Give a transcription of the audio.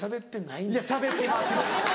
いやしゃべってます。